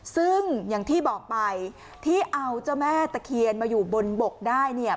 ซึ่งอย่างที่บอกไปที่เอาเจ้าแม่ตะเคียนมาอยู่บนบกได้เนี่ย